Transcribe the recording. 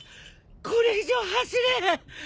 これ以上走れん。